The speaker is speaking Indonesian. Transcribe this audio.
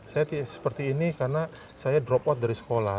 saya seperti ini karena saya drop out dari sekolah